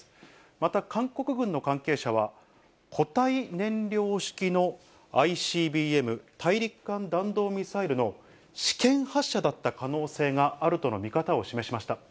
また韓国軍の関係者は、固体燃料式のＩＣＢＭ・大陸間弾道ミサイルの試験発射だった可能性があるとの見方を示しました。